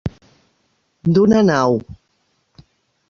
D'una nau.